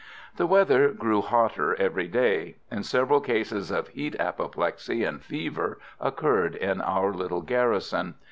The weather now grew hotter every day, and several cases of heat, apoplexy and fever occurred in our little garrison.